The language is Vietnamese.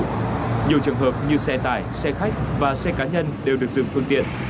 nhiều trường hợp như xe tải xe khách và xe cá nhân đều được dừng phương tiện